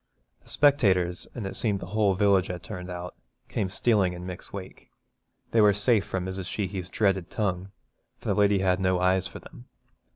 The spectators, and it seemed the whole village had turned out, came stealing in Mick's wake. They were safe from Mrs. Sheehy's dreaded tongue, for the lady had no eyes for them.